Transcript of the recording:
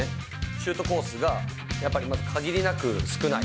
シュートコースがやっぱり、まず限りなく少ない。